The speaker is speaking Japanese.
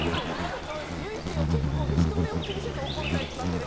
ゆいＰは結構ね人目を気にせず怒るタイプなんでね。